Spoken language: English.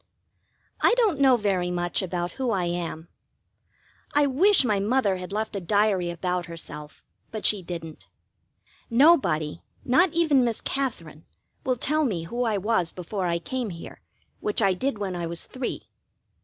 I don't know very much about who I am. I wish my Mother had left a diary about herself, but she didn't. Nobody, not even Miss Katherine, will tell me who I was before I came here, which I did when I was three.